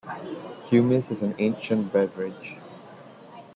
"Kumis" is an ancient beverage.